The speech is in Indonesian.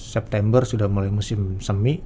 september sudah mulai musim semi